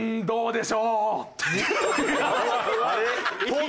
「どうでしょう」。